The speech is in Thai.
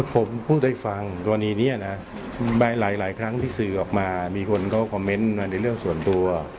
ผมพูดให้ฟังกรณีนี้นะหลายครั้งที่สื่อออกมามีคนเขาคอมเมนต์มาในเรื่องส่วนตัว